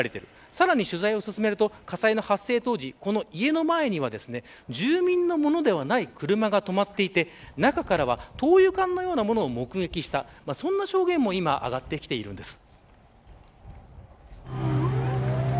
さらに取材を進めると火災の発生当時、家の前に住民のものではない車が止まっていて中からは灯油缶のようなものを目撃したそういう証言も上がってきているんです。